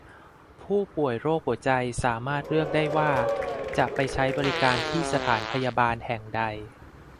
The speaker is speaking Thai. ผู้ป่วยโรคหัวใจสามารถเลือกได้ว่าจะไปใช้บริการที่สถานพยาบาลแห่งใด